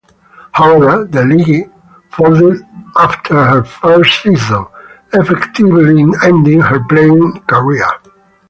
However, the league folded after her first season, effectively ending her playing career.